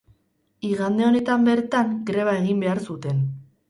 Igande honetan bertan greba egin behar zuten.